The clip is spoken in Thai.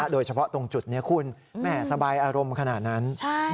โดยเฉพาะตรงจุดนี้คุณแม่สบายอารมณ์ขนาดนั้น